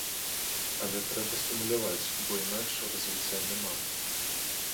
Але трэба стымуляваць, бо інакш развіцця няма.